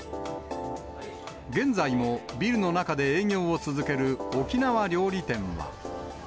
現在も、ビルの中で営業を続ける沖縄料理店は。